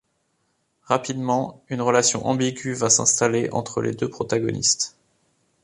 Rapidement, une relation ambiguë va s'installer entre les deux protagonistes.